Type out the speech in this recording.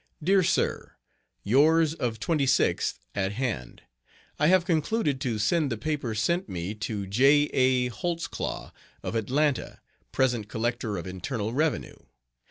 DEAR SIR: Yours of 26th at hand. I have concluded to send the paper sent me to J. A. Holtzclaw, of Atlanta, present Collector of Internal Revenue.